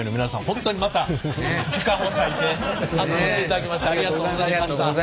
ほんとにまた時間を割いて集まっていただきましてありがとうございました。